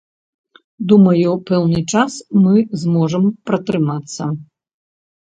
Думаю, пэўны час мы зможам пратрымацца.